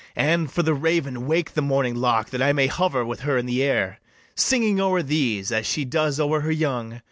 And, for the raven, wake the morning lark, That I may hover with her in the air, Singing o'er these, as she does o'er her young.